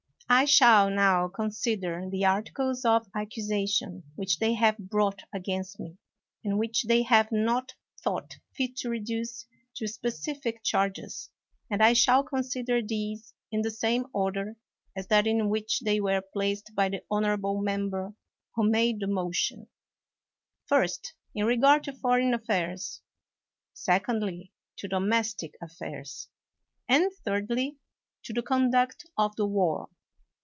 I shall now consider the articles of accusation which they have brought against me, and which they have not thought fit to reduce to specific charges; and I shall consider these in the same order as that in which they were placed by the honorable member who made the motion: first, in regard to foreign affairs ; secondly, to domes tic affairs; and, thirdly, to the conduct of the war.